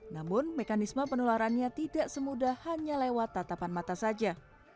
namun mekanisme penularannya tidak semudah hanya lewat tatapan mata saja